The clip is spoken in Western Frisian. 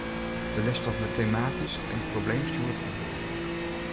De lesstof wurdt tematysk en probleemstjoerd oanbean.